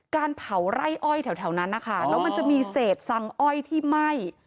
การเผาไร่อ้อยแถวนั้นนะคะแล้วมันจะมีเศษสังอ้อยที่ไหม้